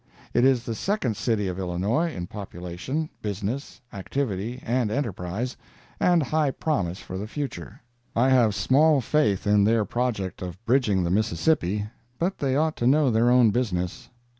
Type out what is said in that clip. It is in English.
It is the second city of Illinois, in population, business, activity and enterprise, and high promise for the future. I have small faith in their project of bridging the Mississippi, but they ought to know their own business.